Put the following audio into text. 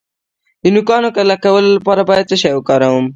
د نوکانو کلکولو لپاره باید څه شی وکاروم؟